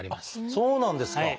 そうなんですか！